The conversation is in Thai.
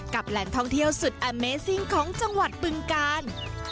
แหล่งท่องเที่ยวสุดอเมซิ่งของจังหวัดบึงกาล